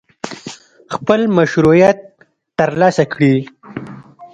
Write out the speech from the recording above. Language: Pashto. خپل مشروعیت ترلاسه کړي.